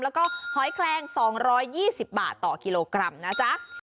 แล้วก็หอยแคลง๒๒๐บาทต่อกิโลกรัมนะจ๊ะ